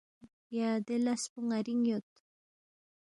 یا دے لس پو ن٘رِینگ یود